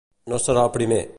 No serà el primer.